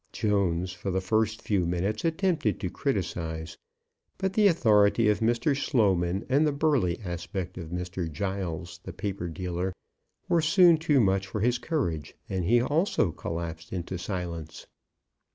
Jones for the first few minutes attempted to criticize; but the authority of Mr. Sloman and the burly aspect of Mr. Giles the paper dealer, were soon too much for his courage, and he also collapsed into silence.